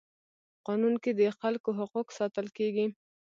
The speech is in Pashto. قانون کي د خلکو حقوق ساتل کيږي.